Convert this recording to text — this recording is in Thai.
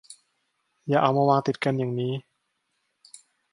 อย่าเอามาวางติดกันอย่างงี้